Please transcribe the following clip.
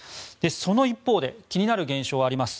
その一方で気になる現象があります。